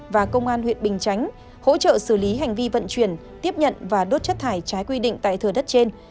và công an huyện bình chánh hỗ trợ xử lý hành vi vận chuyển tiếp nhận và đốt chất thải trái quy định tại thừa đất trên